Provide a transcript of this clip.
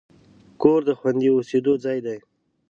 کور د خوندي اوسېدو ځای دی.